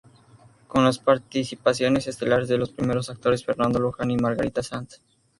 Con las participaciones estelares de los primeros actores Fernando Luján y Margarita Sanz.